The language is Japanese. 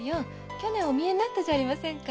去年お見えになったじゃありませんか。